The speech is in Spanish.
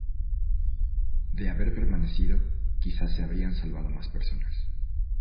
De haber permanecido, quizás se habrían salvado más personas.